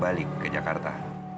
balik ke jakarta